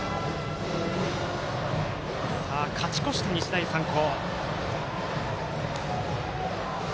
勝ち越した日大三高。